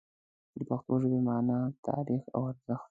د پښتو ژبې مانا، تاریخ او ارزښت